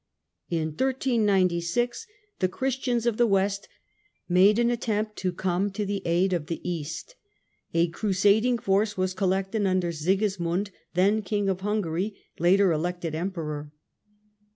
Crusade of In 1396 the Christians of the West made an attempt to come to the aid of the East. A crusading force was collected under Sigismund, then King of Hungary, later elected Emperor.